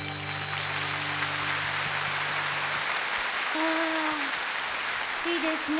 ああいいですねえ。